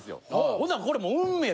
ほなこれもう運命やと。